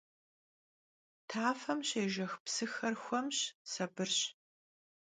Tafem şêjjex psıxer xuemş, sabırş.